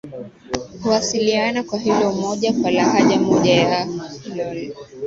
huwasiliana kwa kila mmoja kwa lahaja moja ya